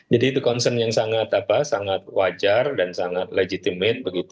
jadi itu concern yang sangat wajar dan sangat legitimate